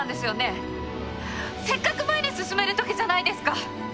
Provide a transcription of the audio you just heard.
せっかく前に進めるときじゃないですか。